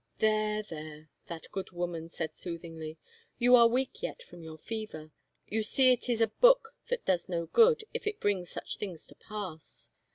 " There, there," that good woman said soothingly, " you are weak yet from your fever. You see it is a book that does no good if it brings such things to pass.